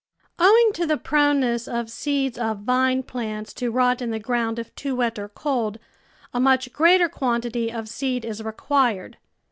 Owing to the proneness of seeds of vine plants to rot in the ground if too wet or cold, a much greater quantity of seed is required.